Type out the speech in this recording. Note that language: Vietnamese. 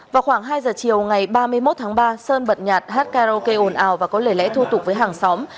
vào khoảng hai giờ chiều ngày ba mươi một tháng ba sơn bận nhạt hát karaoke ồn ào và có lời lẽ thô tục với hàng xóm